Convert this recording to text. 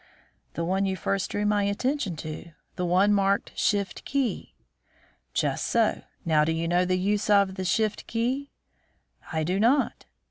"The one you first drew my attention to; the one marked 'Shift key.'" "Just so. Now, do you know the use of the 'Shift key?'" "I do not."